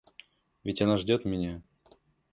Ведь она ждет меня?